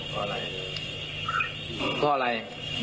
เพราะอะไร